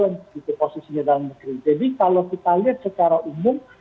jadi kalau kita lihat secara umum